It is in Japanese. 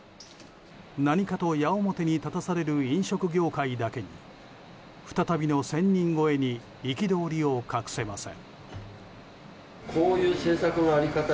何かと矢面に立たされる飲食業界だけに再びの１０００人超えに憤りを隠せません。